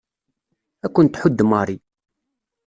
Ad ken-tḥudd Mary.